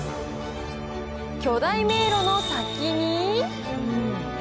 巨大迷路の先に。